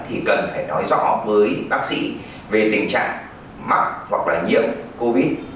thì cần phải nói rõ với bác sĩ về tình trạng mắc hoặc là nhiễm covid